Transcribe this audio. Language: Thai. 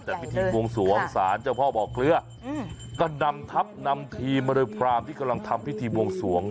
แต่พิธีบวงสวงศาลเจ้าพ่อบ่อเกลือก็นำทัพนำทีมมาโดยพรามที่กำลังทำพิธีบวงสวง